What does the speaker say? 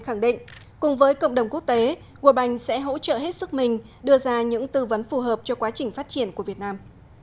khẳng định cùng với cộng đồng quốc tế world bank sẽ hỗ trợ hết sức mình đưa ra những tư vấn phù hợp cho quá trình phát triển của việt nam